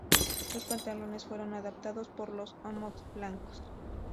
Los pantalones fueron adoptados por los Hmong blancos.